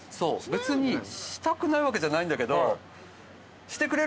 別にしたくないわけじゃないんだけど。